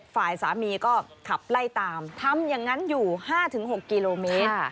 ฝ่ายสามีก็ขับไล่ตามทำอย่างนั้นอยู่๕๖กิโลเมตร